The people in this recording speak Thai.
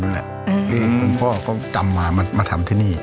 ที่คุณพ่อก็จำมามาทำที่นี่